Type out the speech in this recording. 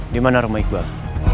di mana rumah iqbal